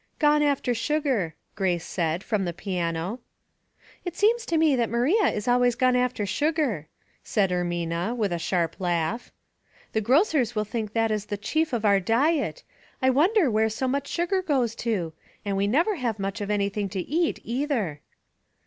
" Gone after sugar," Grace said, from the piano. " It seems to me that Maria is always gone after sugar," said Ermina, with a sharp laugh. *' The grocers will think that is the chief of our diet. I wonder where so much sugar goes to? And we never have much of anything to eat, either."